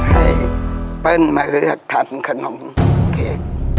ให้เปิ้ลมาเลือกทานขนมเอก